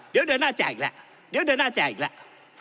เดี๋ยวเดินหน้าแจ้งและ